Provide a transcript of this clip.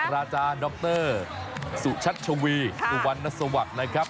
จัดราจาดรสุชัชวีอุวันนัสวัสดิ์นะครับ